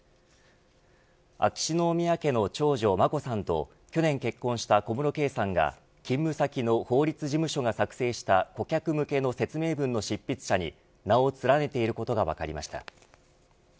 秋篠宮家の長女、眞子さんと去年結婚した小室圭さんが勤務先の法律事務所が作成した顧客向けの説明文の執筆者に名を連ねていることが分かりました。